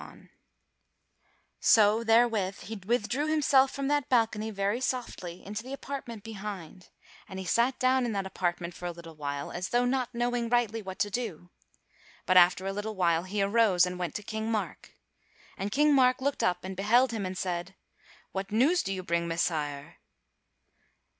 [Sidenote: Sir Andres betrays Sir Tristram to King Mark] So therewith he withdrew himself from that balcony very softly, into the apartment behind. And he sat down in that apartment for a little while as though not knowing rightly what to do. But after a little while he arose and went to King Mark; and King Mark looked up and beheld him and said, "What news do you bring, Messire?"